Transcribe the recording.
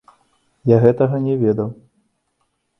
Я гэтага не ведаў!